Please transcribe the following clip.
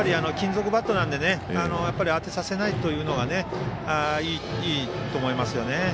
金属バットなので当てさせないというのがいいと思いますね。